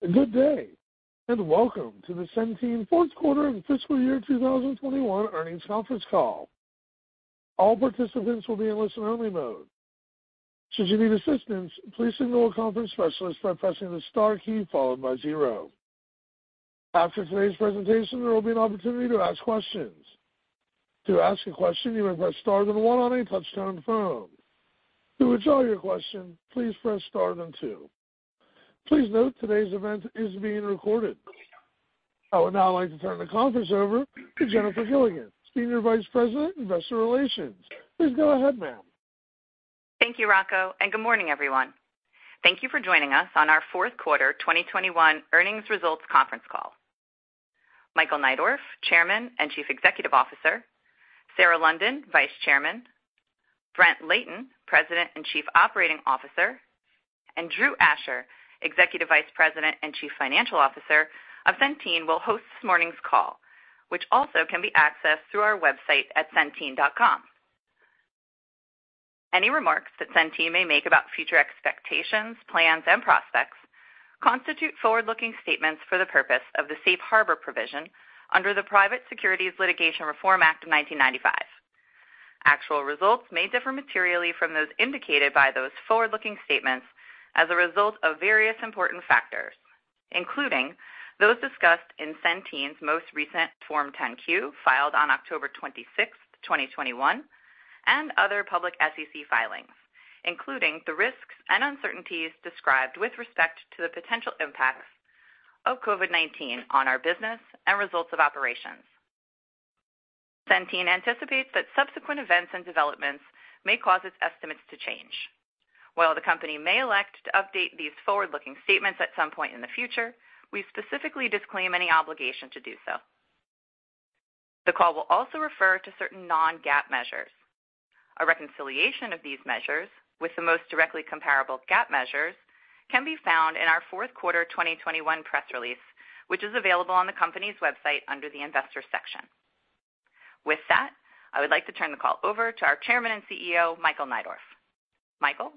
Good day, and welcome to the Centene Fourth Quarter and Fiscal Year 2021 Earnings Conference Call. All participants will be in listen only mode. Should you need assistance, please signal a conference specialist by pressing the star key followed by 0. After today's presentation, there will be an opportunity to ask questions. To ask a question, you may press star then 1 on any touchtone phone. To withdraw your question, please press star then 2. Please note today's event is being recorded. I would now like to turn the conference over to Jennifer Gilligan, Senior Vice President, Investor Relations. Please go ahead, ma'am. Thank you, Rocco, and good morning, everyone. Thank you for joining us on our Fourth Quarter 2021 Earnings Results Conference Call. Michael Neidorff, Chairman and Chief Executive Officer, Sarah London, Vice Chairman, Brent Layton, President and Chief Operating Officer, and Drew Asher, Executive Vice President and Chief Financial Officer of Centene, will host this morning's call, which also can be accessed through our website at centene.com. Any remarks that Centene may make about future expectations, plans, and prospects constitute forward-looking statements for the purpose of the Safe Harbor Provision under the Private Securities Litigation Reform Act of 1995. Actual results may differ materially from those indicated by those forward-looking statements as a result of various important factors, including those discussed in Centene's most recent Form 10-Q, filed on October 26, 2021, and other public SEC filings, including the risks and uncertainties described with respect to the potential impacts of COVID-19 on our business and results of operations. Centene anticipates that subsequent events and developments may cause its estimates to change. While the company may elect to update these forward-looking statements at some point in the future, we specifically disclaim any obligation to do so. The call will also refer to certain non-GAAP measures. A reconciliation of these measures with the most directly comparable GAAP measures can be found in our Fourth Quarter 2021 Press Release, which is available on the company's website under the Investor section. With that, I would like to turn the call over to our Chairman and CEO, Michael Neidorff. Michael?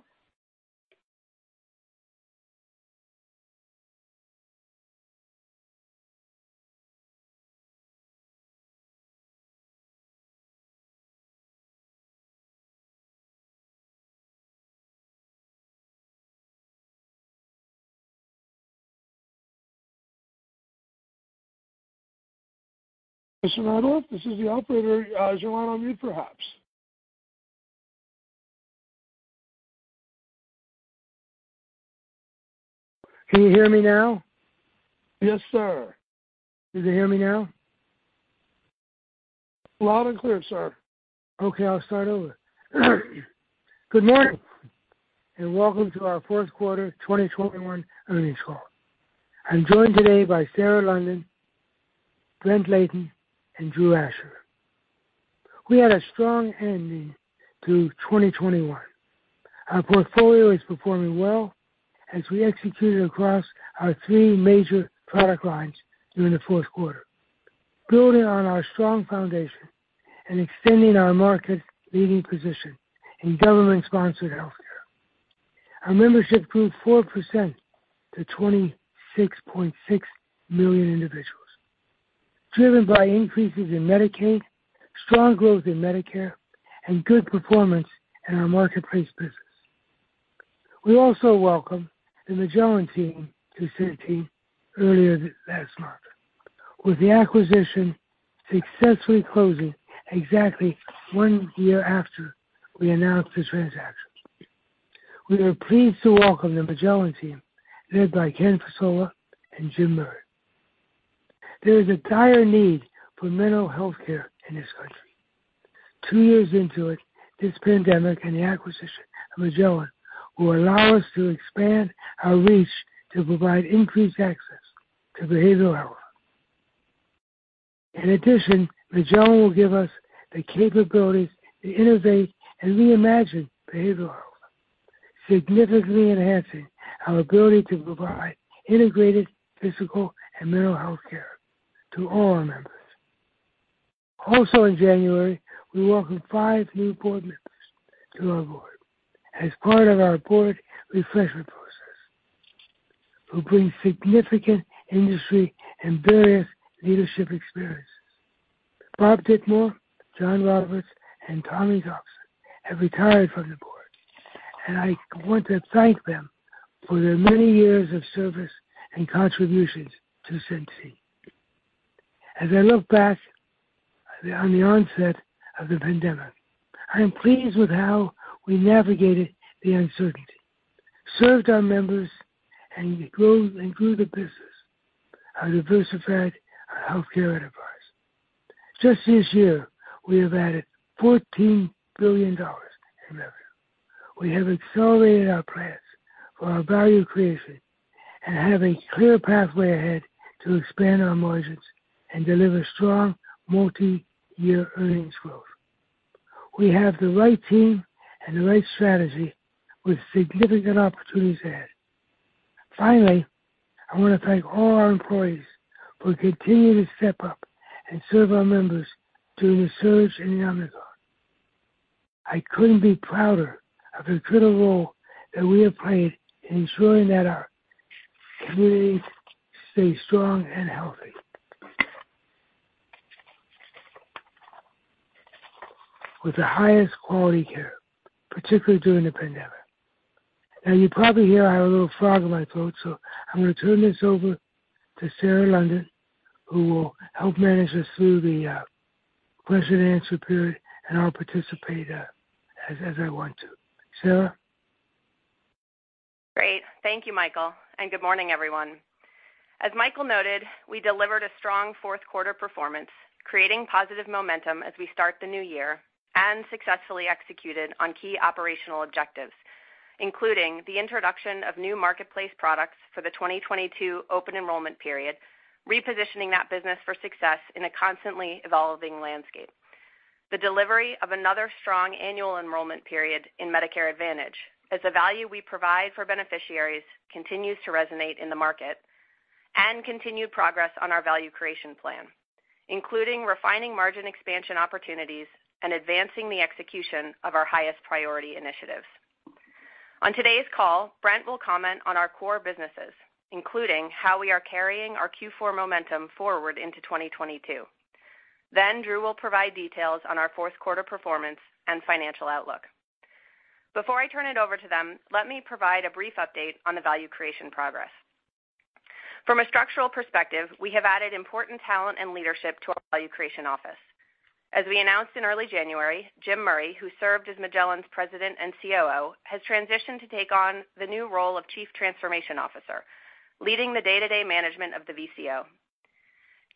Mr. Neidorff, this is the operator. You're on mute, perhaps. Can you hear me now? Yes, sir. Can you hear me now? Loud and clear, sir. Okay, I'll start over. Good morning and welcome to our Fourth Quarter 2021 Earnings Call. I'm joined today by Sarah London, Brent Layton, and Drew Asher. We had a strong ending to 2021. Our portfolio is performing well as we executed across our three major product lines during the fourth quarter, building on our strong foundation and extending our market leading position in government-sponsored healthcare. Our membership grew 4% to 26.6 million individuals, driven by increases in Medicaid, strong growth in Medicare, and good performance in our marketplace business. We also welcomed the Magellan team to Centene earlier this last month, with the acquisition successfully closing exactly one year after we announced this transaction. We are pleased to welcome the Magellan team, led by Ken Fasola and Jim Murray. There is a dire need for mental health care in this country. Two years into it, this pandemic and the acquisition of Magellan will allow us to expand our reach to provide increased access to behavioral health. In addition, Magellan will give us the capabilities to innovate and reimagine behavioral health, significantly enhancing our ability to provide integrated physical and mental health care to all our members. Also, in January, we welcomed five new board members to our board as part of our board refreshment process who bring significant industry and various leadership experience. Bob Ditmore, John Roberts, and Tommy Thompson have retired from the board, and I want to thank them for their many years of service and contributions to Centene. As I look back on the onset of the pandemic, I am pleased with how we navigated the uncertainty, served our members, and grew the business and diversified our healthcare enterprise. Just this year, we have added $14 billion in revenue. We have accelerated our plans for our value creation and have a clear pathway ahead to expand our margins and deliver strong multi-year earnings growth. We have the right team and the right strategy with significant opportunities ahead. Finally, I want to thank all our employees who continue to step up and serve our members during the surge in the Omicron. I couldn't be prouder of the critical role that we have played in ensuring that our communities stay strong and healthy with the highest quality care, particularly during the pandemic. Now, you probably hear I have a little frog in my throat, so I'm gonna turn this over to Sarah London, who will help manage us through the question and answer period, and I'll participate as I want to. Sarah. Great. Thank you, Michael, and good morning, everyone. As Michael noted, we delivered a strong fourth quarter performance, creating positive momentum as we start the new year and successfully executed on key operational objectives, including the introduction of new marketplace products for the 2022 open enrollment period, repositioning that business for success in a constantly evolving landscape. The delivery of another strong annual enrollment period in Medicare Advantage as the value we provide for beneficiaries continues to resonate in the market. Continued progress on our value creation plan, including refining margin expansion opportunities and advancing the execution of our highest priority initiatives. On today's call, Brent will comment on our core businesses, including how we are carrying our Q4 momentum forward into 2022. Then Drew will provide details on our fourth quarter performance and financial outlook. Before I turn it over to them, let me provide a brief update on the value creation progress. From a structural perspective, we have added important talent and leadership to our value creation office. As we announced in early January, Jim Murray, who served as Magellan's President and COO, has transitioned to take on the new role of Chief Transformation Officer, leading the day-to-day management of the VCO.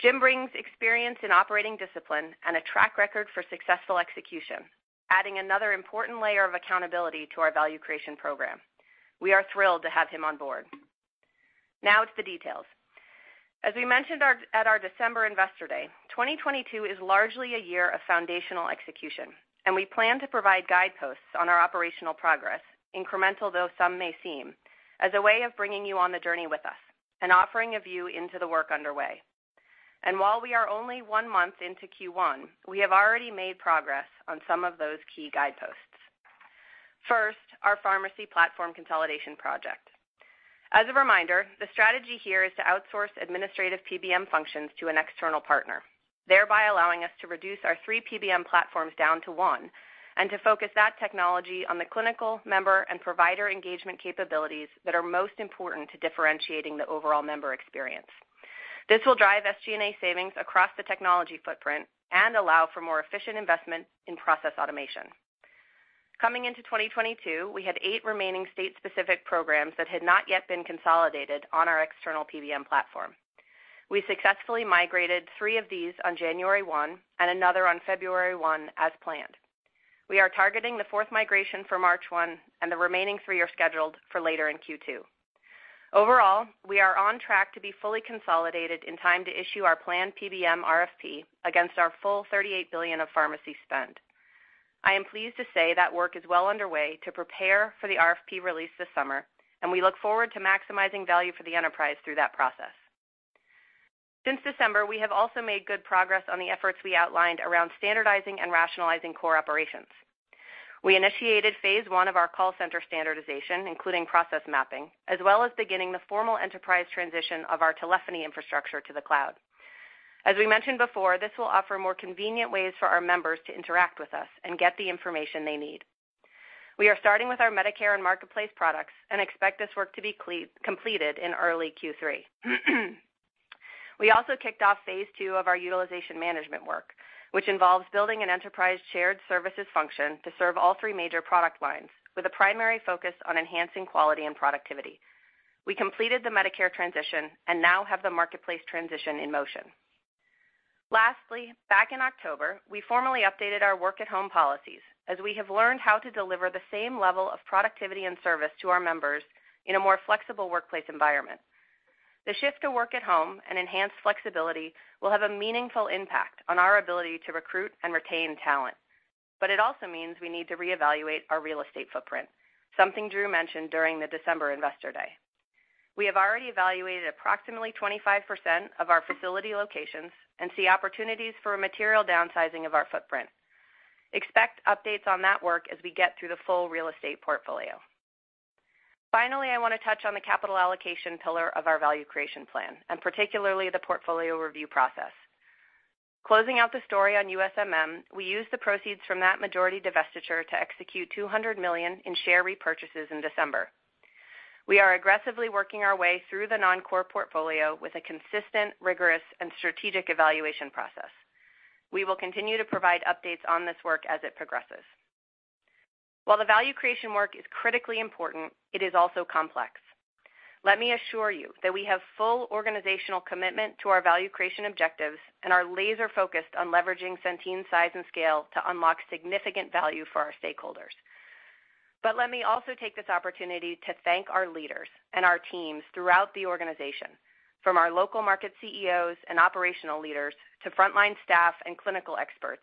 Jim brings experience in operating discipline and a track record for successful execution, adding another important layer of accountability to our value creation program. We are thrilled to have him on board. Now to the details. As we mentioned at our December Investor Day, 2022 is largely a year of foundational execution, and we plan to provide guideposts on our operational progress, incremental though some may seem, as a way of bringing you on the journey with us and offering a view into the work underway. While we are only one month into Q1, we have already made progress on some of those key guideposts. First, our pharmacy platform consolidation project. As a reminder, the strategy here is to outsource administrative PBM functions to an external partner, thereby allowing us to reduce our three PBM platforms down to one and to focus that technology on the clinical member and provider engagement capabilities that are most important to differentiating the overall member experience. This will drive SG&A savings across the technology footprint and allow for more efficient investment in process automation. Coming into 2022, we had eight remaining state-specific programs that had not yet been consolidated on our external PBM platform. We successfully migrated three of these on January 1 and another on February 1 as planned. We are targeting the fourth migration for March 1, and the remaining three are scheduled for later in Q2. Overall, we are on track to be fully consolidated in time to issue our planned PBM RFP against our full $38 billion of pharmacy spend. I am pleased to say that work is well underway to prepare for the RFP release this summer, and we look forward to maximizing value for the enterprise through that process. Since December, we have also made good progress on the efforts we outlined around standardizing and rationalizing core operations. We initiated phase I of our call center standardization, including process mapping, as well as beginning the formal enterprise transition of our telephony infrastructure to the cloud. As we mentioned before, this will offer more convenient ways for our members to interact with us and get the information they need. We are starting with our Medicare and Marketplace products and expect this work to be completed in early Q3. We also kicked off phase II of our utilization management work, which involves building an enterprise-shared services function to serve all three major product lines with a primary focus on enhancing quality and productivity. We completed the Medicare transition and now have the Marketplace transition in motion. Lastly, back in October, we formally updated our work at home policies as we have learned how to deliver the same level of productivity and service to our members in a more flexible workplace environment. The shift to work at home and enhanced flexibility will have a meaningful impact on our ability to recruit and retain talent, but it also means we need to reevaluate our real estate footprint, something Drew mentioned during the December Investor Day. We have already evaluated approximately 25% of our facility locations and see opportunities for a material downsizing of our footprint. Expect updates on that work as we get through the full real estate portfolio. Finally, I want to touch on the capital allocation pillar of our value creation plan, and particularly the portfolio review process. Closing out the story on USMM, we used the proceeds from that majority divestiture to execute $200 million in share repurchases in December. We are aggressively working our way through the non-core portfolio with a consistent, rigorous, and strategic evaluation process. We will continue to provide updates on this work as it progresses. While the value creation work is critically important, it is also complex. Let me assure you that we have full organizational commitment to our value creation objectives and are laser-focused on leveraging Centene's size and scale to unlock significant value for our stakeholders. Let me also take this opportunity to thank our leaders and our teams throughout the organization, from our local market CEOs and operational leaders to frontline staff and clinical experts,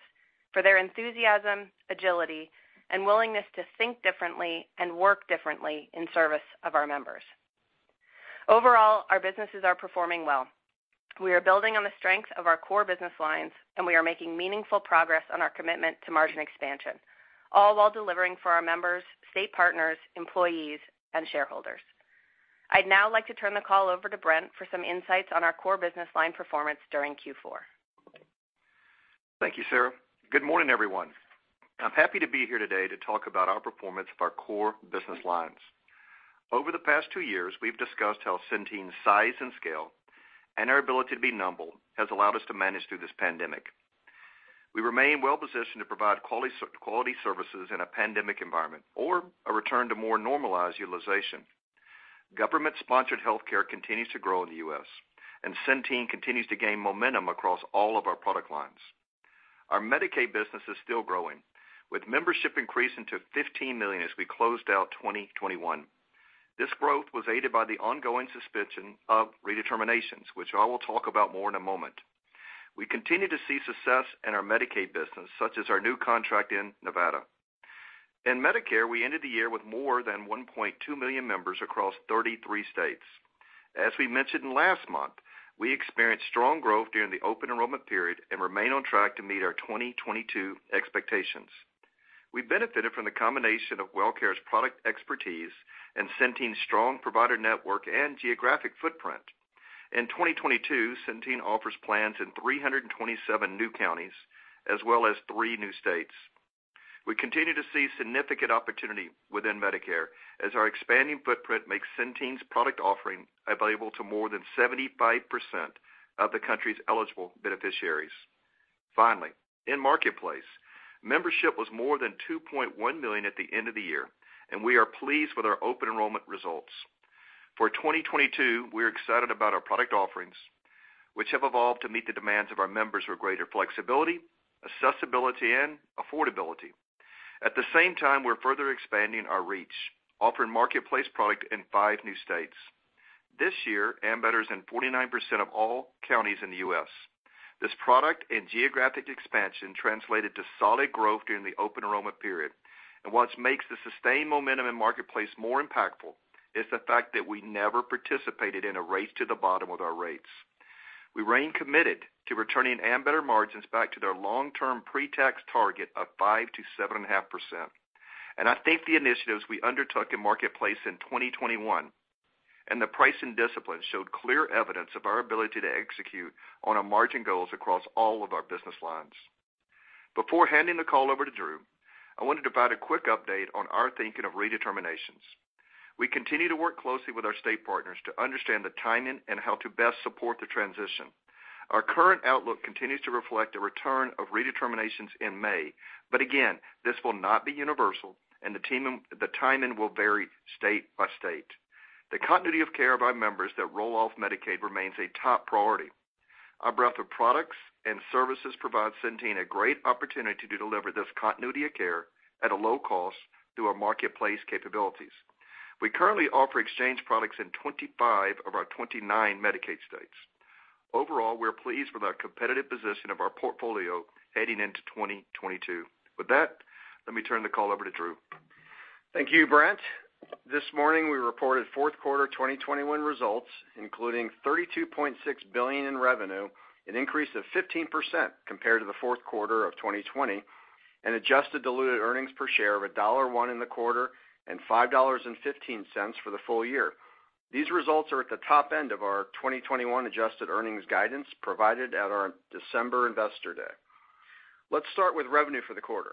for their enthusiasm, agility, and willingness to think differently and work differently in service of our members. Overall, our businesses are performing well. We are building on the strength of our core business lines, and we are making meaningful progress on our commitment to margin expansion, all while delivering for our members, state partners, employees, and shareholders. I'd now like to turn the call over to Brent for some insights on our core business line performance during Q4. Thank you, Sarah. Good morning, everyone. I'm happy to be here today to talk about our performance of our core business lines. Over the past two years, we've discussed how Centene's size and scale and our ability to be nimble has allowed us to manage through this pandemic. We remain well-positioned to provide quality services in a pandemic environment or a return to more normalized utilization. Government-sponsored healthcare continues to grow in the U.S., and Centene continues to gain momentum across all of our product lines. Our Medicaid business is still growing, with membership increasing to 15 million as we closed out 2021. This growth was aided by the ongoing suspension of redeterminations, which I will talk about more in a moment. We continue to see success in our Medicaid business, such as our new contract in Nevada. In Medicare, we ended the year with more than 1.2 million members across 33 states. As we mentioned last month, we experienced strong growth during the open enrollment period and remain on track to meet our 2022 expectations. We benefited from the combination of WellCare's product expertise and Centene's strong provider network and geographic footprint. In 2022, Centene offers plans in 327 new counties as well as three new states. We continue to see significant opportunity within Medicare as our expanding footprint makes Centene's product offering available to more than 75% of the country's eligible beneficiaries. Finally, in Marketplace, membership was more than 2.1 million at the end of the year, and we are pleased with our open enrollment results. For 2022, we're excited about our product offerings, which have evolved to meet the demands of our members for greater flexibility, accessibility and affordability. At the same time, we're further expanding our reach, offering Marketplace product in five new states. This year, Ambetter is in 49% of all counties in the U.S. This product and geographic expansion translated to solid growth during the open enrollment period. What makes the sustained momentum in Marketplace more impactful is the fact that we never participated in a race to the bottom with our rates. We remain committed to returning Ambetter margins back to their long-term pre-tax target of 5%-7.5%. I think the initiatives we undertook in Marketplace in 2021 and the pricing discipline showed clear evidence of our ability to execute on our margin goals across all of our business lines. Before handing the call over to Drew, I wanted to provide a quick update on our thinking of redeterminations. We continue to work closely with our state partners to understand the timing and how to best support the transition. Our current outlook continues to reflect the return of redeterminations in May, but again, this will not be universal and the timing will vary state by state. The continuity of care of our members that roll off Medicaid remains a top priority. Our breadth of products and services provides Centene a great opportunity to deliver this continuity of care at a low cost through our Marketplace capabilities. We currently offer exchange products in 25 of our 29 Medicaid states. Overall, we're pleased with our competitive position of our portfolio heading into 2022. With that, let me turn the call over to Drew. Thank you, Brent. This morning, we reported Q4 2021 results, including $32.6 billion in revenue, an increase of 15% compared to Q4 2020, and adjusted diluted earnings per share of $1.01 in the quarter and $5.15 for the full year. These results are at the top end of our 2021 adjusted earnings guidance provided at our December Investor Day. Let's start with revenue for the quarter.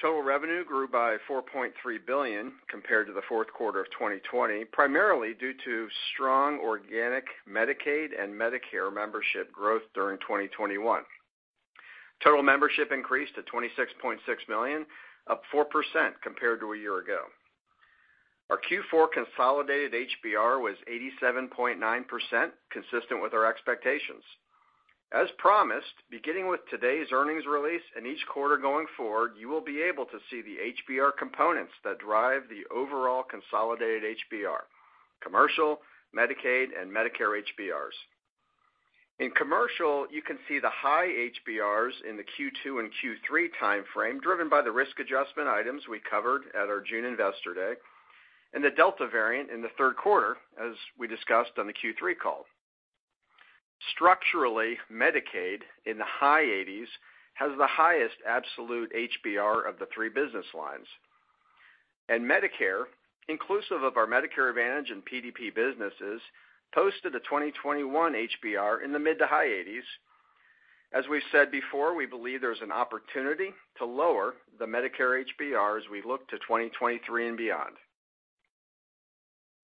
Total revenue grew by $4.3 billion compared to Q4 2020, primarily due to strong organic Medicaid and Medicare membership growth during 2021. Total membership increased to 26.6 million, up 4% compared to a year ago. Our Q4 consolidated HBR was 87.9%, consistent with our expectations. As promised, beginning with today's earnings release and each quarter going forward, you will be able to see the HBR components that drive the overall consolidated HBR, Commercial, Medicaid, and Medicare HBRs. In Commercial, you can see the high HBRs in the Q2 and Q3 timeframe, driven by the risk adjustment items we covered at our June Investor Day, and the Delta variant in the third quarter, as we discussed on the Q3 call. Structurally, Medicaid, in the high eighties, has the highest absolute HBR of the three business lines. Medicare, inclusive of our Medicare Advantage and PDP businesses, posted a 2021 HBR in the mid to high 80s. As we've said before, we believe there's an opportunity to lower the Medicare HBR as we look to 2023 and beyond.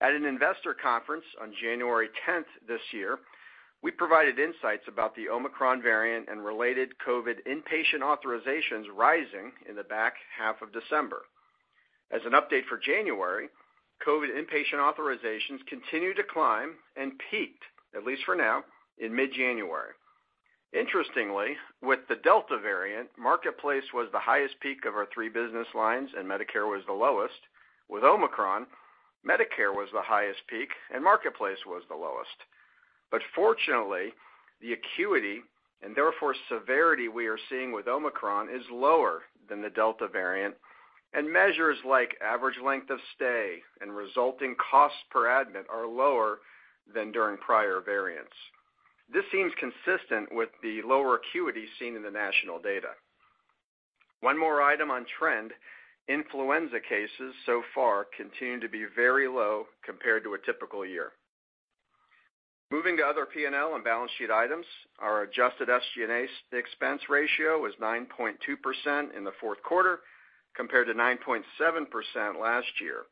At an investor conference on January 10 this year, we provided insights about the Omicron variant and related COVID inpatient authorizations rising in the back half of December. As an update for January, COVID inpatient authorizations continued to climb and peaked, at least for now, in mid-January. Interestingly, with the Delta variant, Marketplace was the highest peak of our three business lines, and Medicare was the lowest. With Omicron, Medicare was the highest peak, and Marketplace was the lowest. Fortunately, the acuity and therefore severity we are seeing with Omicron is lower than the Delta variant, and measures like average length of stay and resulting costs per admit are lower than during prior variants. This seems consistent with the lower acuity seen in the national data. One more item on trend, influenza cases so far continue to be very low compared to a typical year. Moving to other P&L and balance sheet items, our adjusted SG&A expense ratio was 9.2% in the fourth quarter compared to 9.7% last year.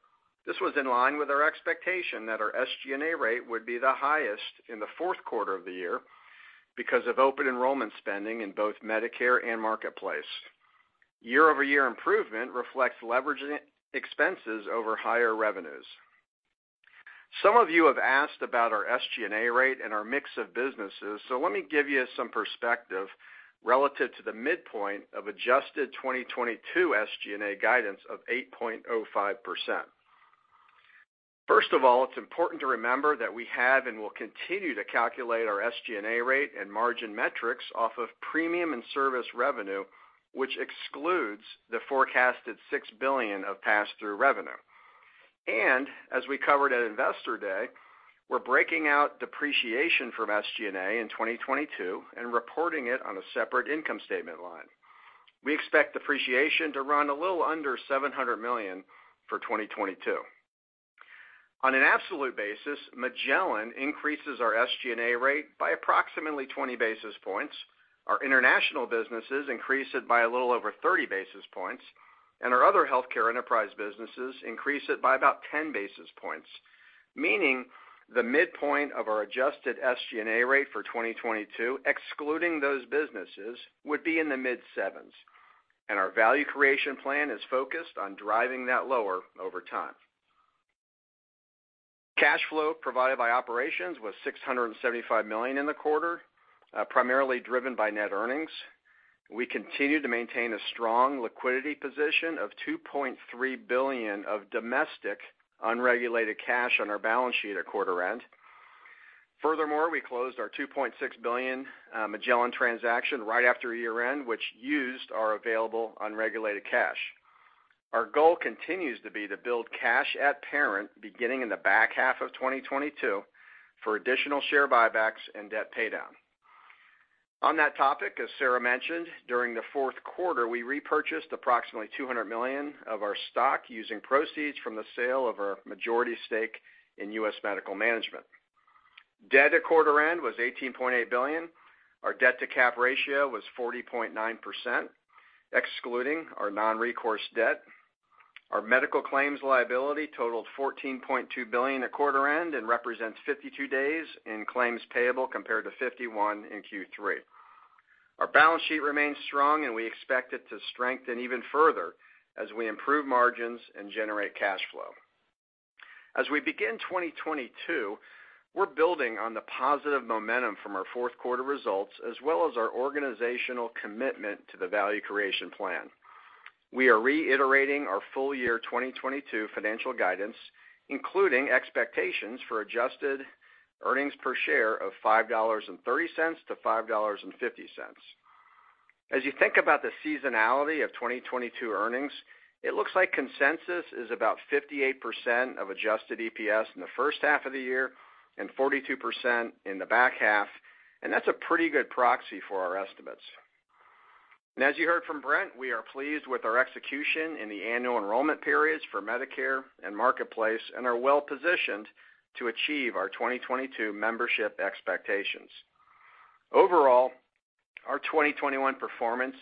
This was in line with our expectation that our SG&A rate would be the highest in the fourth quarter of the year because of open enrollment spending in both Medicare and Marketplace. Year-over-year improvement reflects leveraging expenses over higher revenues. Some of you have asked about our SG&A rate and our mix of businesses, so let me give you some perspective relative to the midpoint of adjusted 2022 SG&A guidance of 8.05%. First of all, it's important to remember that we have and will continue to calculate our SG&A rate and margin metrics off of premium and service revenue, which excludes the forecasted $6 billion of pass-through revenue. As we covered at Investor Day, we're breaking out depreciation from SG&A in 2022 and reporting it on a separate income statement line. We expect depreciation to run a little under $700 million for 2022. On an absolute basis, Magellan increases our SG&A rate by approximately 20 basis points. Our international businesses increase it by a little over 30 basis points, and our other healthcare enterprise businesses increase it by about 10 basis points, meaning the midpoint of our adjusted SG&A rate for 2022, excluding those businesses, would be in the mid-sevens, and our value creation plan is focused on driving that lower over time. Cash flow provided by operations was $675 million in the quarter, primarily driven by net earnings. We continue to maintain a strong liquidity position of $2.3 billion of domestic unregulated cash on our balance sheet at quarter end. Furthermore, we closed our $2.6 billion Magellan transaction right after year-end, which used our available unregulated cash. Our goal continues to be to build cash at parent beginning in the back half of 2022 for additional share buybacks and debt paydown. On that topic, as Sarah mentioned, during the fourth quarter, we repurchased approximately $200 million of our stock using proceeds from the sale of our majority stake in US Medical Management. Debt at quarter end was $18.8 billion. Our debt-to-cap ratio was 40.9%, excluding our non-recourse debt. Our medical claims liability totaled $14.2 billion at quarter end and represents 52 days in claims payable compared to 51 in Q3. Our balance sheet remains strong, and we expect it to strengthen even further as we improve margins and generate cash flow. As we begin 2022, we're building on the positive momentum from our fourth quarter results as well as our organizational commitment to the value creation plan. We are reiterating our full year 2022 financial guidance, including expectations for adjusted earnings per share of $5.30-$5.50. As you think about the seasonality of 2022 earnings, it looks like consensus is about 58% of Adjusted EPS in the first half of the year and 42% in the back half, and that's a pretty good proxy for our estimates. As you heard from Brent, we are pleased with our execution in the annual enrollment periods for Medicare and Marketplace and are well-positioned to achieve our 2022 membership expectations. Overall, our 2021 performance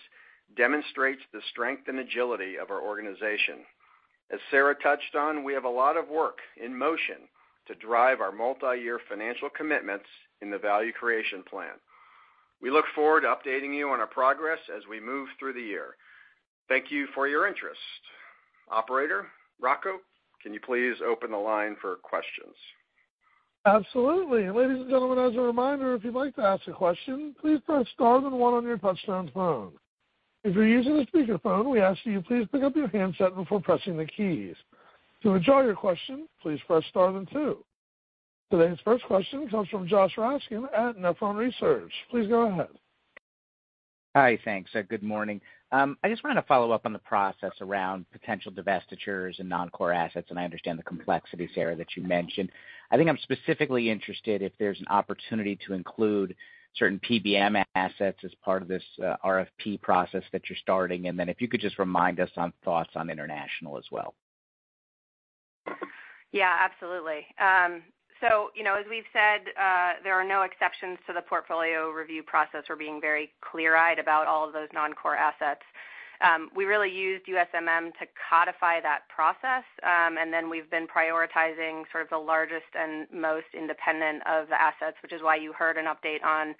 demonstrates the strength and agility of our organization. As Sarah touched on, we have a lot of work in motion to drive our multiyear financial commitments in the value creation plan. We look forward to updating you on our progress as we move through the year. Thank you for your interest. Operator, Rocco, can you please open the line for questions? Absolutely. Ladies and gentlemen, as a reminder, if you'd like to ask a question, please press star then 1 on your touchtone phone. If you're using a speakerphone, we ask that you please pick up your handset before pressing the keys. To withdraw your question, please press star then 2. Today's first question comes from Josh Raskin at Nephron Research. Please go ahead. Hi. Thanks. Good morning. I just wanted to follow up on the process around potential divestitures and non-core assets, and I understand the complexity, Sarah, that you mentioned. I think I'm specifically interested if there's an opportunity to include certain PBM assets as part of this, RFP process that you're starting, and then if you could just remind us on thoughts on international as well. Yeah, absolutely. You know, as we've said, there are no exceptions to the portfolio review process. We're being very clear-eyed about all of those non-core assets. We really used USMM to codify that process, and then we've been prioritizing sort of the largest and most independent of the assets, which is why you heard an update on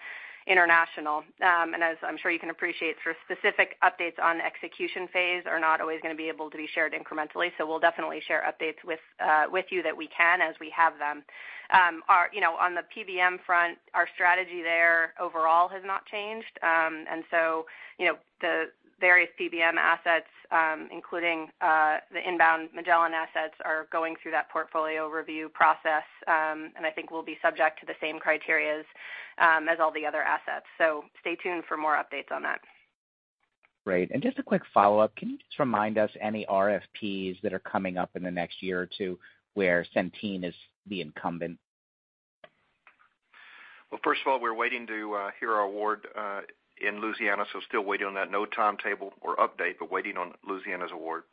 international. As I'm sure you can appreciate, sort of specific updates on execution phase are not always gonna be able to be shared incrementally, so we'll definitely share updates with you that we can as we have them. You know, on the PBM front, our strategy there overall has not changed. You know, the various PBM assets, including the inbound Magellan assets, are going through that portfolio review process, and I think will be subject to the same criteria as all the other assets. Stay tuned for more updates on that. Great. Just a quick follow-up, can you just remind us any RFPs that are coming up in the next year or two where Centene is the incumbent? Well, first of all, we're waiting to hear our award in Louisiana, so still waiting on that. No timetable or update, but waiting on Louisiana's award.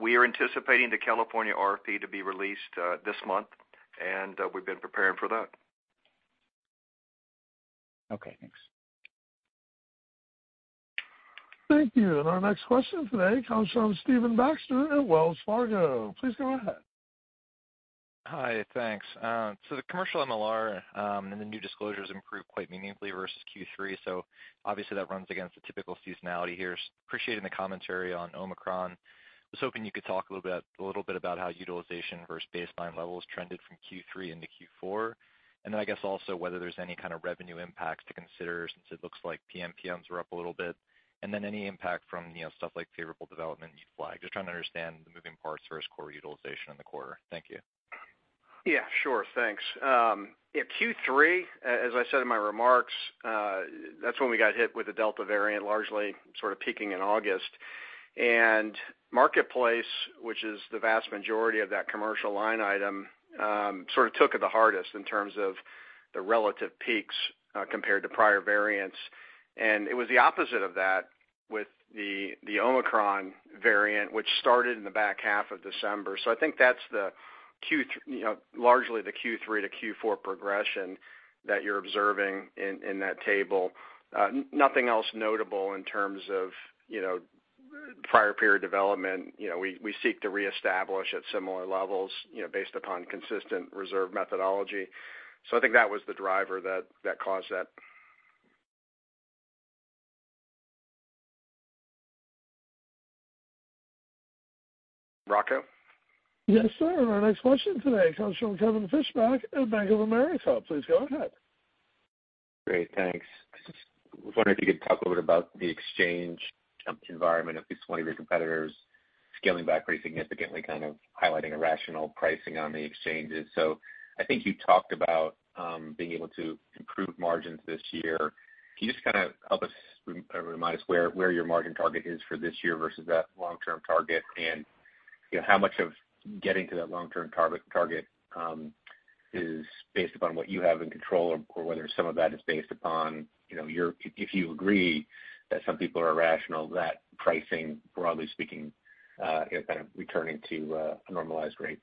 We are anticipating the California RFP to be released this month, and we've been preparing for that. Okay, thanks. Thank you. Our next question today comes from Stephen Baxter at Wells Fargo. Please go ahead. Hi. Thanks. So the commercial MLR and the new disclosures improved quite meaningfully versus Q3, so obviously that runs against the typical seasonality here. Appreciating the commentary on Omicron. I was hoping you could talk a little bit about how utilization versus baseline levels trended from Q3 into Q4. Then I guess, also whether there's any kind of revenue impacts to consider since it looks like PMPMs were up a little bit, and then any impact from, you know, stuff like favorable development you flagged. Just trying to understand the moving parts versus core utilization in the quarter. Thank you. Yeah, sure. Thanks. Yeah, Q3, as I said in my remarks, that's when we got hit with the Delta variant, largely sort of peaking in August. Marketplace, which is the vast majority of that commercial line item, sort of took it the hardest in terms of the relative peaks, compared to prior variants. It was the opposite of that with the Omicron variant, which started in the back half of December. I think that's the, you know, largely the Q3 to Q4 progression that you're observing in that table. Nothing else notable in terms of, you know, prior period development. You know, we seek to reestablish at similar levels, you know, based upon consistent reserve methodology. I think that was the driver that caused that. Rocco? Yes, sir. Our next question today comes from Kevin Fischbeck at Bank of America. Please go ahead. Great, thanks. I just was wondering if you could talk a little bit about the exchange environment, at least one of your competitors scaling back pretty significantly, kind of highlighting irrational pricing on the exchanges. I think you talked about being able to improve margins this year. Can you just kind of help us or remind us where your margin target is for this year versus that long-term target, and, you know, how much of getting to that long-term target is based upon what you have in control or whether some of that is based upon, you know, if you agree that some people are irrational, that pricing, broadly speaking, you know, kind of returning to a normalized rate?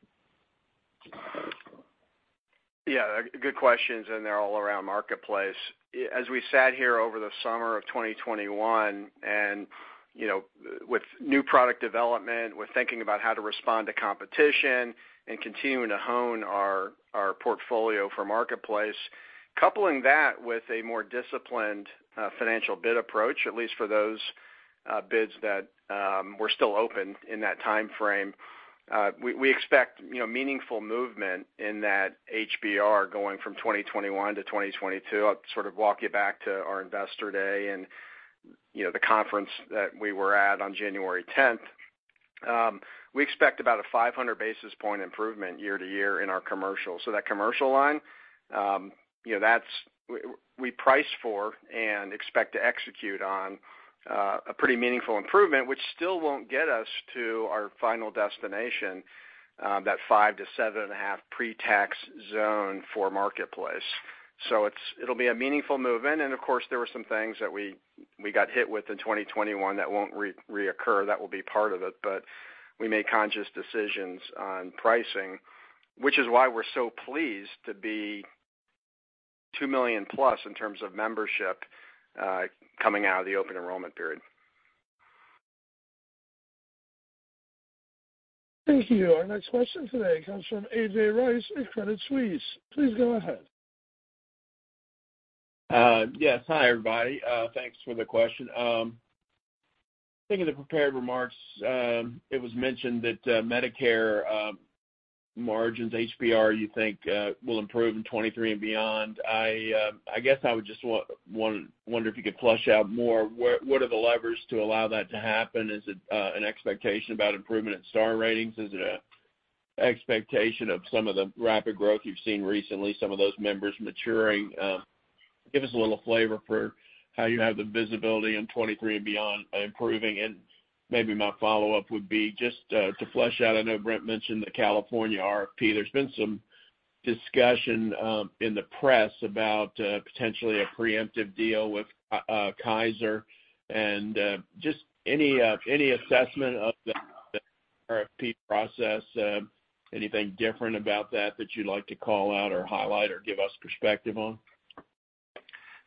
Yeah. Good questions, and they're all around Marketplace. As we sat here over the summer of 2021 and, you know, with new product development, we're thinking about how to respond to competition and continuing to hone our portfolio for Marketplace. Coupling that with a more disciplined financial bid approach, at least for those bids that were still open in that timeframe, we expect, you know, meaningful movement in that HBR going from 2021 to 2022. I'll sort of walk you back to our Investor Day and, you know, the conference that we were at on January 10. We expect about a 500 basis point improvement year to year in our commercial. That commercial line, you know, that's we price for and expect to execute on a pretty meaningful improvement, which still won't get us to our final destination, that 5%-7.5% pre-tax zone for Marketplace. It'll be a meaningful movement. Of course, there were some things that we got hit with in 2021 that won't reoccur. That will be part of it. We made conscious decisions on pricing, which is why we're so pleased to be 2 million+ in terms of membership coming out of the open enrollment period. Thank you. Our next question today comes from A.J. Rice at Credit Suisse. Please go ahead. Yes. Hi, everybody. Thanks for the question. I think in the prepared remarks, it was mentioned that Medicare margins, HBR, you think, will improve in 2023 and beyond. I guess I would just wonder if you could flesh out more, what are the levers to allow that to happen? Is it an expectation about improvement in star ratings? Is it an expectation of some of the rapid growth you've seen recently, some of those members maturing? Give us a little flavor for how you have the visibility in 2023 and beyond improving. Maybe my follow-up would be just to flesh out, I know Brent mentioned the California RFP. There's been some discussion in the press about potentially a preemptive deal with Kaiser. Just any assessment of the RFP process, anything different about that you'd like to call out or highlight or give us perspective on?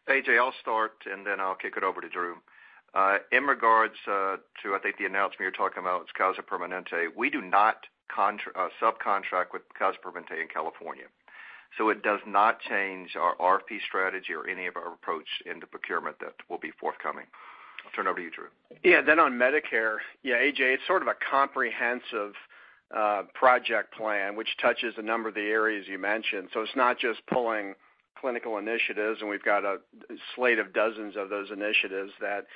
A.J., I'll start, and then I'll kick it over to Drew. In regards to, I think the announcement you're talking about is Kaiser Permanente. We do not subcontract with Kaiser Permanente in California, so it does not change our RFP strategy or any of our approach in the procurement that will be forthcoming. I'll turn over to you, Drew. Yeah. On Medicare, yeah, A.J., it's sort of a comprehensive project plan which touches a number of the areas you mentioned. It's not just pulling clinical initiatives, and we've got a slate of dozens of those initiatives that,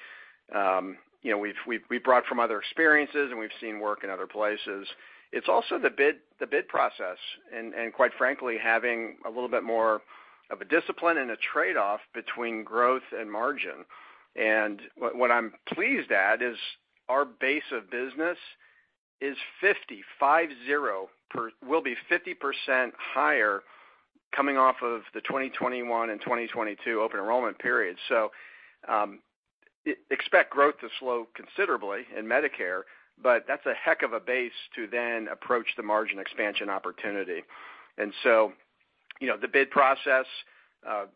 you know, we've brought from other experiences and we've seen work in other places. It's also the bid process and quite frankly, having a little bit more of a discipline and a trade-off between growth and margin. What I'm pleased at is our base of business. It will be 50% higher coming off of the 2021 and 2022 open enrollment period. Expect growth to slow considerably in Medicare, but that's a heck of a base to then approach the margin expansion opportunity. You know, the bid process,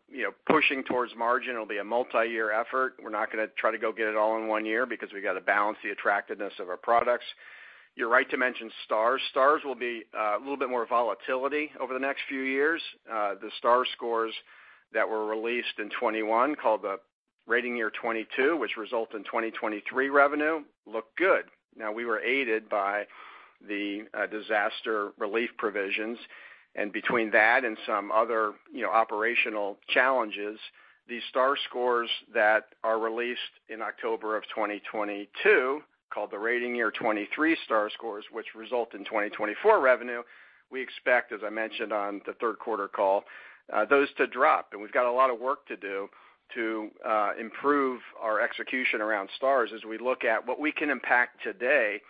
you know, pushing towards margin will be a multiyear effort. We're not gonna try to go get it all in one year because we've got to balance the attractiveness of our products. You're right to mention Stars. Stars will be a little bit more volatility over the next few years. The Star scores that were released in 2021, called the rating year 2022, which result in 2023 revenue, look good. Now we were aided by the disaster relief provisions. Between that and some other, you know, operational challenges, the Star scores that are released in October of 2022, called the rating year '23 Star scores, which result in 2024 revenue, we expect, as I mentioned on the third quarter call, those to drop. We've got a lot of work to do to improve our execution around Stars as we look at what we can impact today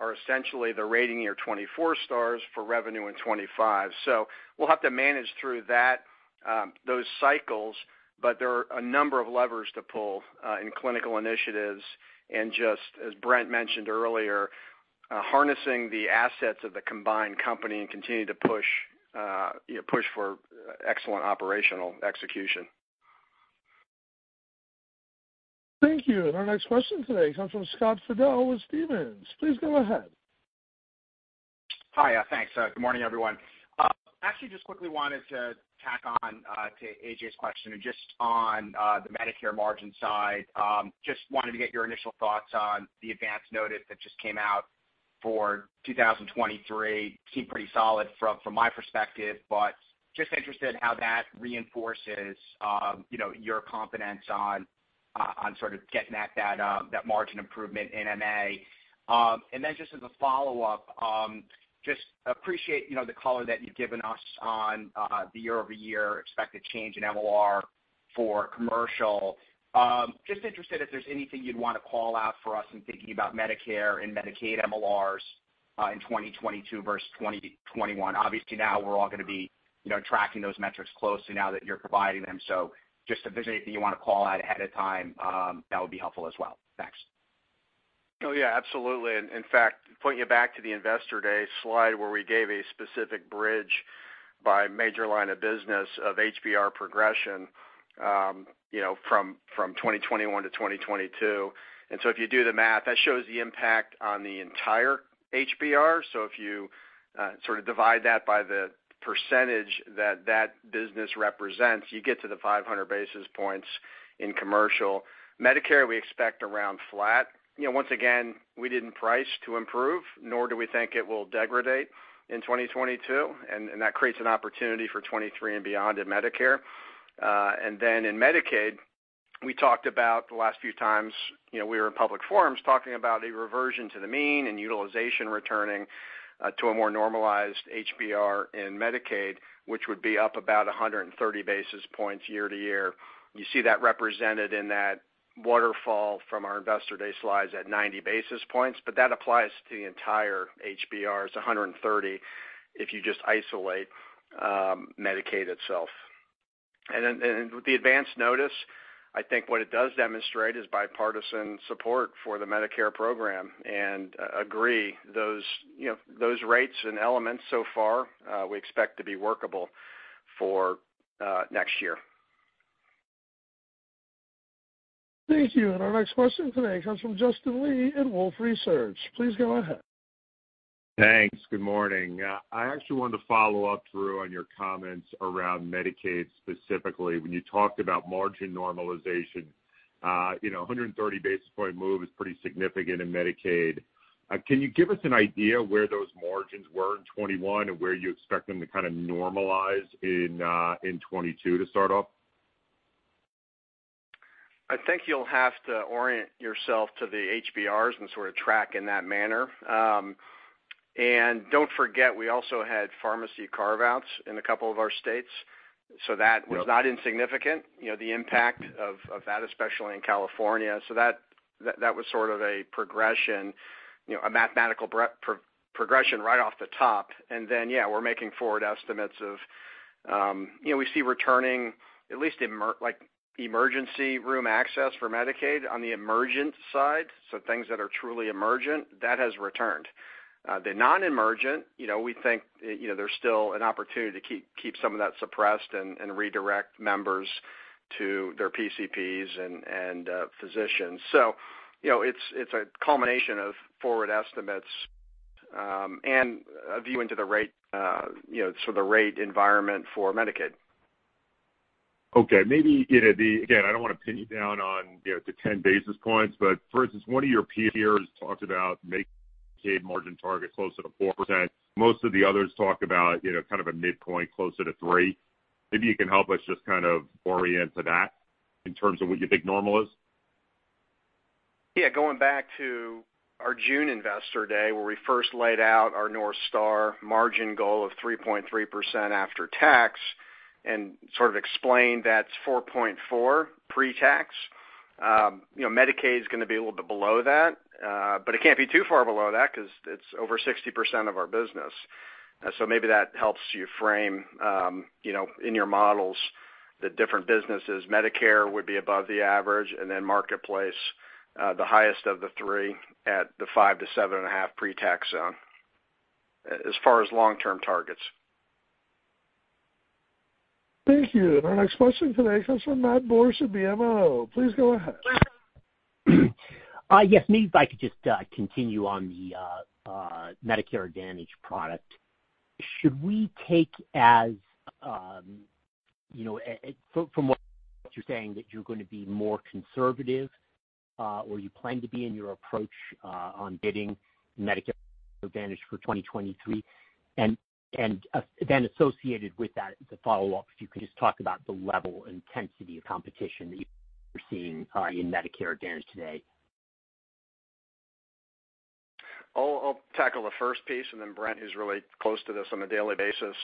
are essentially the rating year 2024 Stars for revenue in 2025. We'll have to manage through that, those cycles, but there are a number of levers to pull in clinical initiatives. Just as Brent mentioned earlier, harnessing the assets of the combined company and continue to push for excellent operational execution. Thank you. Our next question today comes from Scott Fidel with Stephens. Please go ahead. Hi. Thanks. Good morning, everyone. Actually just quickly wanted to tack on to A.J.'s question and just on the Medicare margin side, just wanted to get your initial thoughts on the advanced notice that just came out for 2023. Seemed pretty solid from my perspective, but just interested in how that reinforces, you know, your confidence on sort of getting at that margin improvement in MA. And then just as a follow-up, just appreciate, you know, the color that you've given us on the year-over-year expected change in MLR for commercial. Just interested if there's anything you'd want to call out for us in thinking about Medicare and Medicaid MLRs in 2022 versus 2021. Obviously, now we're all going to be, you know, tracking those metrics closely now that you're providing them. Just if there's anything you want to call out ahead of time, that would be helpful as well. Thanks. Oh, yeah, absolutely. In fact, point you back to the Investor Day slide where we gave a specific bridge by major line of business of HBR progression, you know, from 2021 to 2022. If you do the math, that shows the impact on the entire HBR. If you sort of divide that by the percentage that that business represents, you get to the 500 basis points in commercial. Medicare, we expect around flat. You know, once again, we didn't price to improve, nor do we think it will degrade in 2022, and that creates an opportunity for 2023 and beyond in Medicare. In Medicaid, we talked about the last few times, you know, we were in public forums talking about a reversion to the mean and utilization returning to a more normalized HBR in Medicaid, which would be up about 130 basis points year-over-year. You see that represented in that waterfall from our Investor Day slides at 90 basis points, but that applies to the entire HBR. It's 130 if you just isolate Medicaid itself. With the advance notice, I think what it does demonstrate is bipartisan support for the Medicare program, and agreed to those, you know, those rates and elements so far, we expect to be workable for next year. Thank you. Our next question today comes from Justin Lake at Wolfe Research. Please go ahead. Thanks. Good morning. I actually wanted to follow up, Drew, on your comments around Medicaid, specifically when you talked about margin normalization. You know, a 130 basis point move is pretty significant in Medicaid. Can you give us an idea where those margins were in 2021 and where you expect them to kind of normalize in 2022 to start off? I think you'll have to orient yourself to the HBRs and sort of track in that manner. Don't forget, we also had pharmacy carve-outs in a couple of our states. Yep. That was not insignificant, you know, the impact of that, especially in California. That was sort of a progression, you know, a mathematical progression right off the top. Yeah, we're making forward estimates of, you know, we see returning at least emergency room access for Medicaid on the emergent side. Things that are truly emergent, that has returned. The non-emergent, you know, we think, you know, there's still an opportunity to keep some of that suppressed and redirect members to their PCPs and physicians. You know, it's a culmination of forward estimates and a view into the rate, you know, sort of the rate environment for Medicaid. Okay. Maybe, you know, again, I don't want to pin you down on, you know, the 10 basis points, but for instance, one of your peers talked about making margin target closer to 4%. Most of the others talk about, you know, kind of a midpoint closer to 3%. Maybe you can help us just kind of orient to that in terms of what you think normal is. Yeah. Going back to our June Investor Day, where we first laid out our North Star margin goal of 3.3% after tax and sort of explained that's 4.4 pre-tax. You know, Medicaid is gonna be a little bit below that, but it can't be too far below that 'cause it's over 60% of our business. So maybe that helps you frame, you know, in your models, the different businesses. Medicare would be above the average, and then Marketplace, the highest of the three at the 5%-7.5% pre-tax zone, as far as long-term targets. Thank you. Our next question today comes from Matt Borsch of BMO. Please go ahead. Yes, maybe if I could just continue on the Medicare Advantage product. Should we take as you know from what you're saying that you're gonna be more conservative or you plan to be in your approach on bidding Medicare Advantage for 2023? Associated with that, to follow up, if you could just talk about the level intensity of competition that you're seeing in Medicare Advantage today. I'll tackle the first piece, and then Brent, who's really close to this on a daily basis,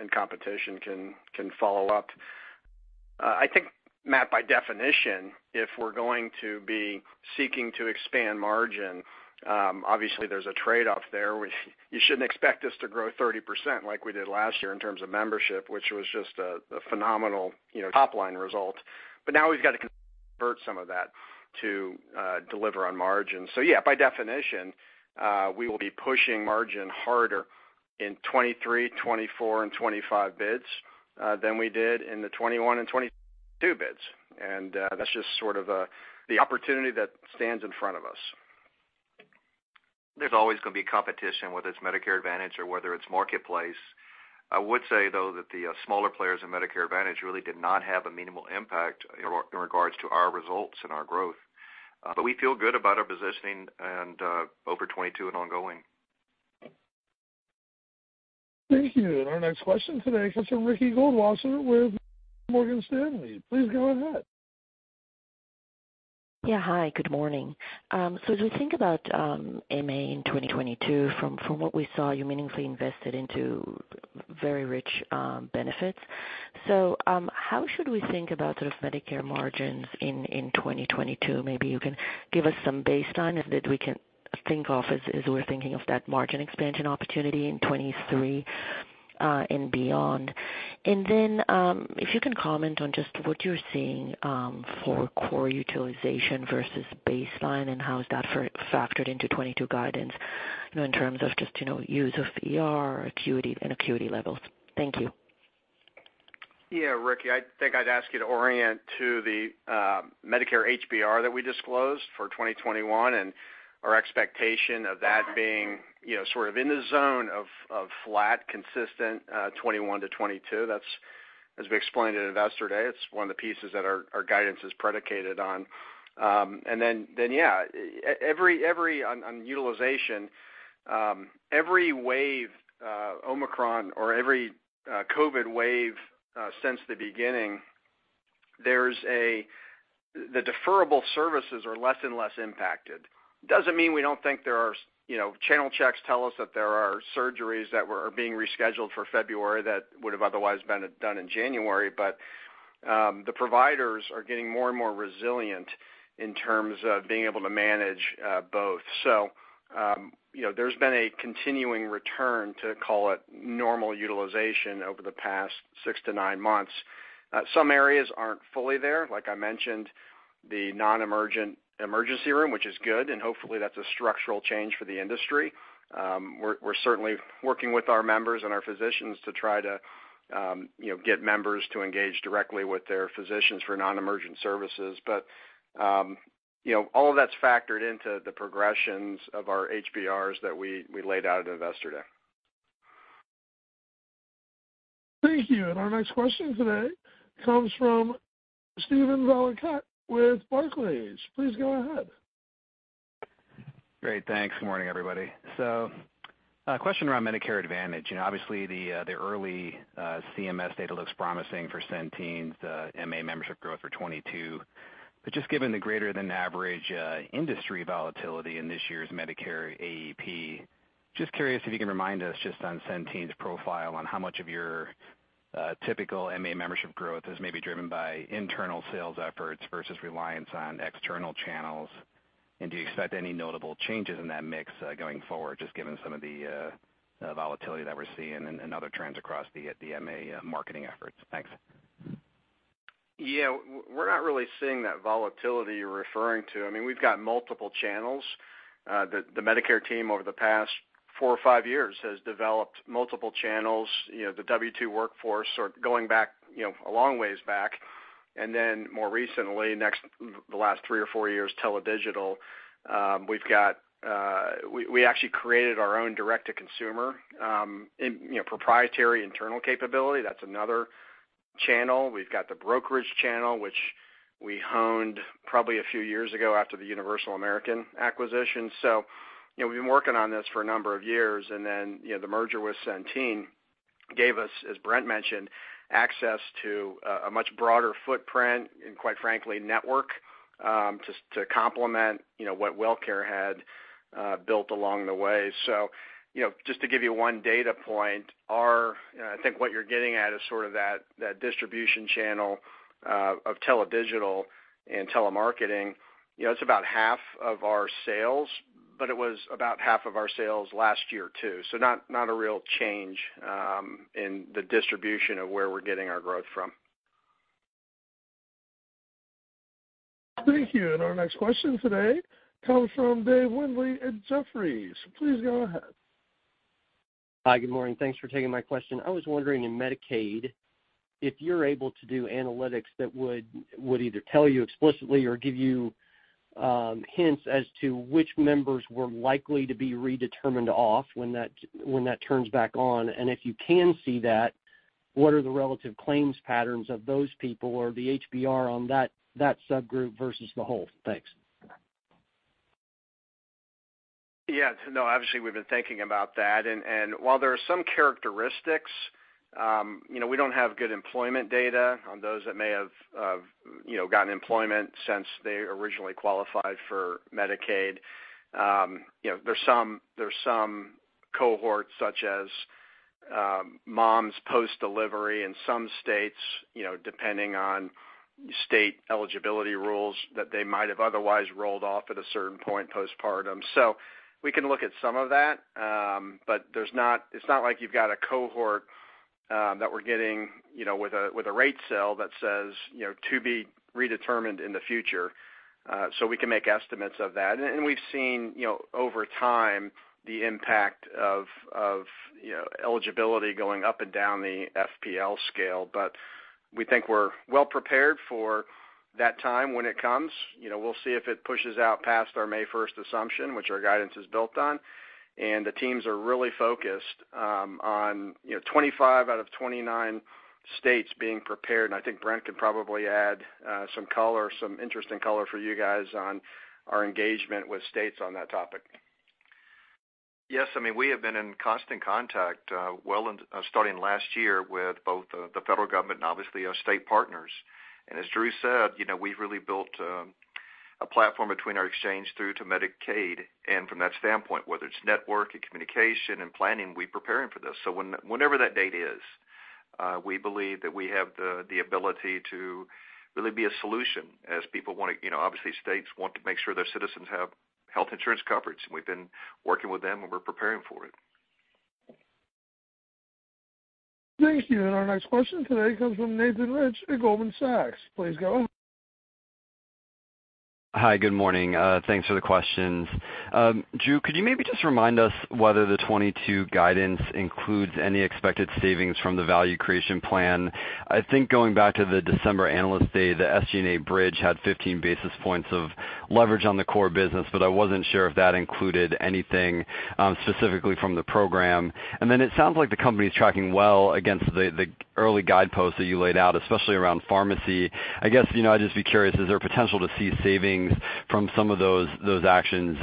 in competition can follow up. I think, Matt, by definition, if we're going to be seeking to expand margin, obviously there's a trade-off there. You shouldn't expect us to grow 30% like we did last year in terms of membership, which was just a phenomenal, you know, top-line result. Now we've got to convert some of that to deliver on margin. Yeah, by definition, we will be pushing margin harder in 2023, 2024, and 2025 bids than we did in the 2021 and 2022 bids. That's just sort of the opportunity that stands in front of us. There's always gonna be competition, whether it's Medicare Advantage or whether it's Marketplace. I would say, though, that the smaller players in Medicare Advantage really did not have a minimal impact in regards to our results and our growth. We feel good about our positioning and over 2022 and ongoing. Thank you. Our next question today comes from Ricky Goldwasser with Morgan Stanley. Please go ahead. Yeah. Hi, good morning. As we think about MA in 2022, from what we saw, you meaningfully invested into very rich benefits. How should we think about sort of Medicare margins in 2022? Maybe you can give us some baseline that we can think of as we're thinking of that margin expansion opportunity in 2023 and beyond. If you can comment on just what you're seeing for core utilization versus baseline, and how is that factored into 2022 guidance, you know, in terms of just use of ER acuity and acuity levels. Thank you. Yeah, Ricky, I think I'd ask you to orient to the Medicare HBR that we disclosed for 2021, and our expectation of that being, you know, sort of in the zone of flat, consistent 2021 to 2022. That's, as we explained at Investor Day, it's one of the pieces that our guidance is predicated on. Yeah, every one on utilization, every wave, Omicron or every COVID wave since the beginning, there's the deferrable services are less and less impacted. Doesn't mean we don't think there are, you know, channel checks tell us that there are surgeries that are being rescheduled for February that would've otherwise been done in January. The providers are getting more and more resilient in terms of being able to manage both. There's been a continuing return to call it normal utilization over the past 6-9 months. Some areas aren't fully there. Like I mentioned, the non-emergent emergency room, which is good, and hopefully that's a structural change for the industry. We're certainly working with our members and our physicians to try to get members to engage directly with their physicians for non-emergent services. But all of that's factored into the progressions of our HBRs that we laid out at Investor Day. Thank you. Our next question today comes from Steven Valiquette with Barclays. Please go ahead. Great, thanks. Good morning, everybody. A question around Medicare Advantage, and obviously the early CMS data looks promising for Centene's MA membership growth for 2022. Just given the greater than average industry volatility in this year's Medicare AEP, just curious if you can remind us just on Centene's profile on how much of your typical MA membership growth is maybe driven by internal sales efforts versus reliance on external channels. Do you expect any notable changes in that mix going forward, just given some of the volatility that we're seeing and other trends across the MA marketing efforts? Thanks. Yeah. We're not really seeing that volatility you're referring to. I mean, we've got multiple channels. The Medicare team over the past four or five years has developed multiple channels. You know, the W-2 workforce or going back, you know, a long ways back, and then more recently, the last three or four years, tele-digital. We actually created our own direct-to-consumer, in, you know, proprietary internal capability. That's another channel. We've got the brokerage channel, which we honed probably a few years ago after the Universal American acquisition. You know, we've been working on this for a number of years, and then, you know, the merger with Centene gave us, as Brent mentioned, access to a much broader footprint and, quite frankly, network, just to complement, you know, what WellCare had built along the way. You know, just to give you one data point, our, you know, I think what you're getting at is sort of that distribution channel of tele-digital and telemarketing. You know, it's about half of our sales. It was about half of our sales last year, too. Not a real change in the distribution of where we're getting our growth from. Thank you. Our next question today comes from Dave Windley at Jefferies. Please go ahead. Hi, good morning. Thanks for taking my question. I was wondering in Medicaid, if you're able to do analytics that would either tell you explicitly or give you hints as to which members were likely to be redetermined off when that turns back on, and if you can see that, what are the relative claims patterns of those people or the HBR on that subgroup versus the whole? Thanks. Yeah, no, obviously, we've been thinking about that. While there are some characteristics, you know, we don't have good employment data on those that may have, you know, gotten employment since they originally qualified for Medicaid. You know, there's some cohorts such as moms post-delivery in some states, you know, depending on state eligibility rules that they might have otherwise rolled off at a certain point postpartum. We can look at some of that, but it's not like you've got a cohort that we're getting, you know, with a rate cell that says, you know, to be redetermined in the future, so we can make estimates of that. We've seen, you know, over time, the impact of eligibility going up and down the FPL scale. We think we're well prepared for that time when it comes. You know, we'll see if it pushes out past our May first assumption, which our guidance is built on. The teams are really focused on, you know, 25 out of 29 states being prepared. I think Brent can probably add some color, some interesting color for you guys on our engagement with states on that topic. Yes. I mean, we have been in constant contact, well into starting last year with both the federal government and obviously our state partners. As Drew said, you know, we've really built a platform between our exchange through to Medicaid. From that standpoint, whether it's network and communication and planning, we're preparing for this. Whenever that date is, we believe that we have the ability to really be a solution as people wanna, you know, obviously, states want to make sure their citizens have health insurance coverage. We've been working with them, and we're preparing for it. Thank you. Our next question today comes from Nathan Rich at Goldman Sachs. Please go. Hi, good morning. Thanks for the questions. Drew, could you maybe just remind us whether the 2022 guidance includes any expected savings from the value creation plan? I think going back to the December Analyst Day, the SG&A bridge had 15 basis points of leverage on the core business, but I wasn't sure if that included anything, specifically from the program. It sounds like the company is tracking well against the early guideposts that you laid out, especially around pharmacy. I guess, you know, I'd just be curious, is there potential to see savings from some of those actions,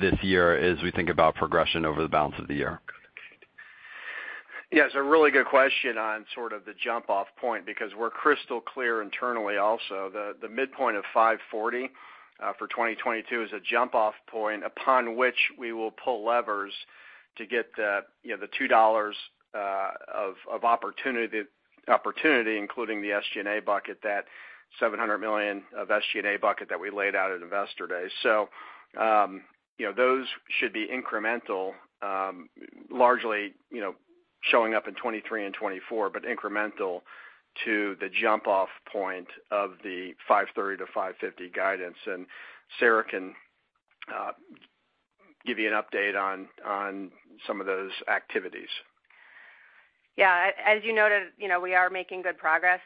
this year as we think about progression over the balance of the year? Yeah, it's a really good question on sort of the jump-off point because we're crystal clear internally also. The midpoint of $5.40 for 2022 is a jump-off point upon which we will pull levers to get the $2 of opportunity, including the SG&A bucket, that $700 million SG&A bucket that we laid out at Investor Day. Those should be incremental, largely, you know, showing up in 2023 and 2024, but incremental to the jump-off point of the $5.30-$5.50 guidance. Sarah can give you an update on some of those activities. Yeah. As you noted, you know, we are making good progress.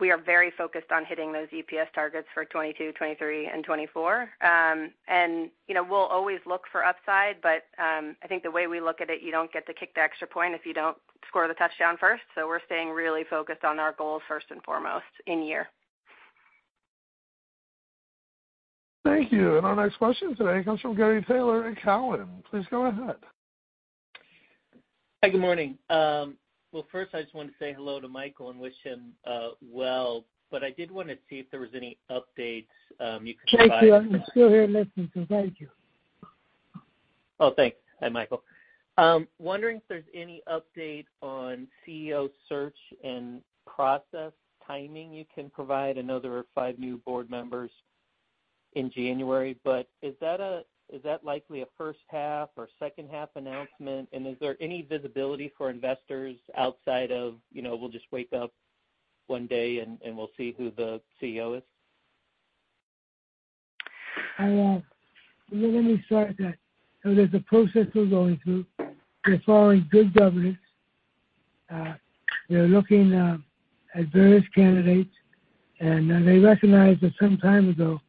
We are very focused on hitting those EPS targets for 2022, 2023 and 2024. You know, we'll always look for upside, but I think the way we look at it, you don't get to kick the extra point if you don't score the touchdown first. We're staying really focused on our goals first and foremost in year. Thank you. Our next question today comes from Gary Taylor at Cowen. Please go ahead. Hi, good morning. Well, first, I just want to say hello to Michael and wish him well, but I did wanna see if there was any updates you can provide- Thank you. I'm still here listening, so thank you. Oh, thanks. Hi, Michael. Wondering if there's any update on CEO search and process timing you can provide. I know there are five new board members in January, but is that likely a first half or second half announcement? Is there any visibility for investors outside of, you know, we'll just wake up one day and we'll see who the CEO is? Well, let me start that. There's a process we're going through. We're following good governance. We're looking at various candidates, and they recognized that some time ago,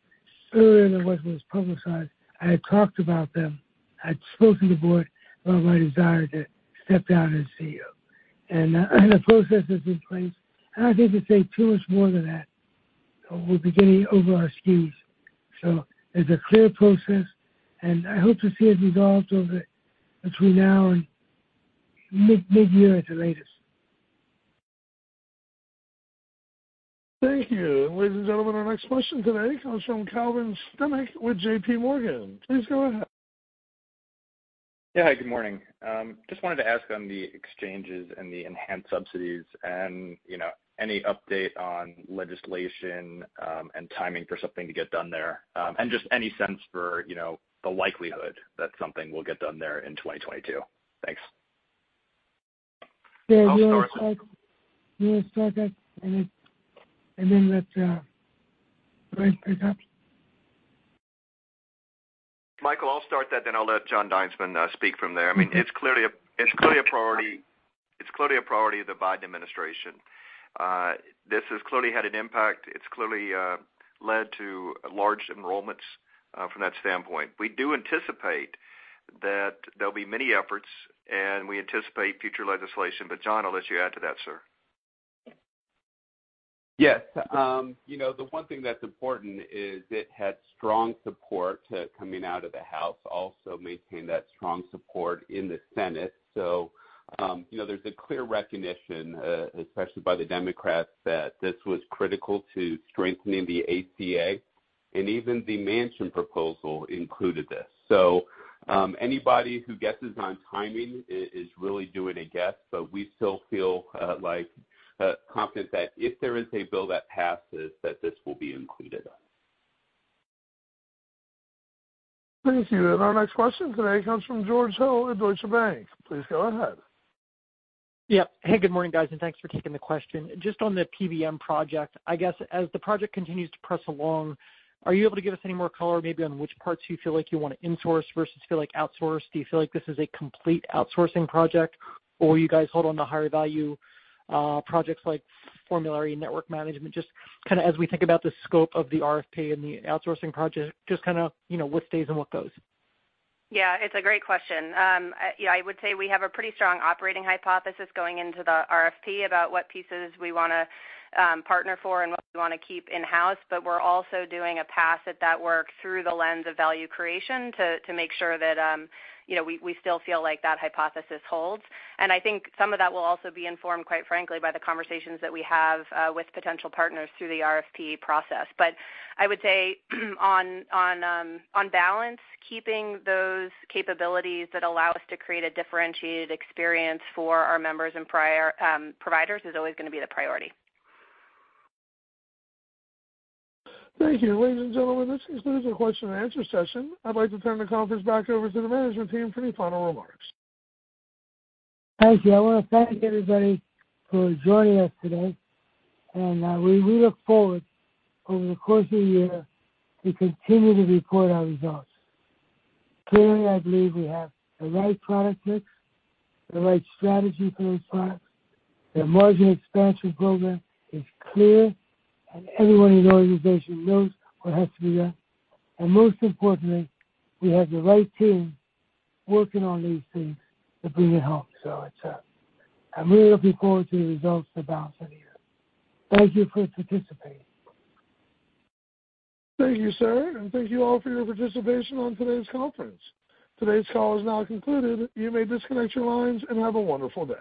earlier than what was publicized, I had talked about them. I'd spoken to the board about my desire to step down as CEO. The process is in place. I don't need to say too much more than that, or we'll be getting over our skis. There's a clear process, and I hope to see it resolved over between now and mid-year at the latest. Thank you. Ladies and gentlemen, our next question today comes from Calvin Sternick with J.P. Morgan. Please go ahead. Yeah. Hi, good morning. Just wanted to ask on the exchanges and the enhanced subsidies and, you know, any update on legislation, and timing for something to get done there. Just any sense for, you know, the likelihood that something will get done there in 2022. Thanks. Yeah. You'll start. You'll start it, and then let Brent pick up. Michael, I'll start that, then I'll let Jonathan Dinesman speak from there. I mean, it's clearly a priority of the Biden administration. This has clearly had an impact. It's clearly led to large enrollments from that standpoint. We do anticipate that there'll be many efforts, and we anticipate future legislation. Jon, I'll let you add to that, sir. Yes. You know, the one thing that's important is it had strong support, coming out of the House, also maintained that strong support in the Senate. You know, there's a clear recognition, especially by the Democrats, that this was critical to strengthening the ACA, and even the Manchin proposal included this. Anybody who guesses on timing is really doing a guess, but we still feel, like, confident that if there is a bill that passes, that this will be included. Thank you. Our next question today comes from George Hill at Deutsche Bank. Please go ahead. Yeah. Hey, good morning, guys, and thanks for taking the question. Just on the PBM project, I guess as the project continues to press along, are you able to give us any more color maybe on which parts you feel like you wanna insource versus feel like outsource? Do you feel like this is a complete outsourcing project, or you guys hold on to higher value projects like formulary network management? Just kinda as we think about the scope of the RFP and the outsourcing project, just kinda, you know, what stays and what goes. Yeah, it's a great question. Yeah, I would say we have a pretty strong operating hypothesis going into the RFP about what pieces we wanna partner for and what we wanna keep in-house, but we're also doing a pass at that work through the lens of value creation to make sure that, you know, we still feel like that hypothesis holds. I think some of that will also be informed, quite frankly, by the conversations that we have with potential partners through the RFP process. I would say on balance, keeping those capabilities that allow us to create a differentiated experience for our members and prior providers is always gonna be the priority. Thank you. Ladies and gentlemen, this concludes our question and answer session. I'd like to turn the conference back over to the management team for any final remarks. Thank you. I wanna thank everybody for joining us today, and we look forward over the course of the year to continue to report our results. Clearly, I believe we have the right product mix, the right strategy for those products. The margin expansion program is clear, and everyone in the organization knows what has to be done. Most importantly, we have the right team working on these things to bring it home. I'm really looking forward to the results for the balance of the year. Thank you for participating. Thank you, sir, and thank you all for your participation on today's conference. Today's call is now concluded. You may disconnect your lines and have a wonderful day.